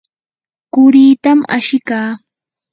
quritam ashikaa.